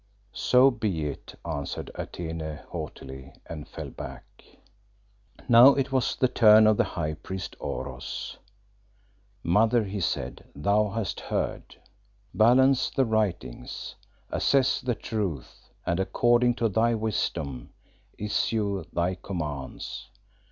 "So be it," answered Atene haughtily and fell back. Now it was the turn of the high priest Oros. "Mother," he said, "thou hast heard. Balance the writings, assess the truth, and according to thy wisdom, issue thy commands.